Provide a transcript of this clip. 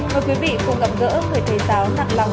mời quý vị cuộc gặp gỡ người thầy giáo nặng lòng